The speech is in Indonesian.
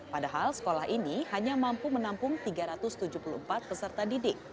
padahal sekolah ini hanya mampu menampung tiga ratus tujuh puluh empat peserta didik